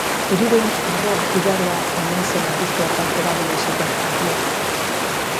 Hirurehun arroa igaroa omen zen apustu hartan erabili zuten harria.